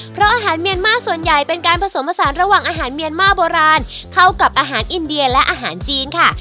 เพราะอาหารเมียนมาร์ส่วนใหญ่เป็นการผสมผสานระหว่างอาหารเมียนมาโบราณเข้ากับอาหารอินเดียและอาหารจีนค่ะ